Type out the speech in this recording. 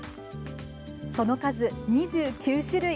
その数２９種類！